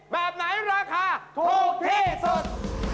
แบบไหนราคาถูกที่สุด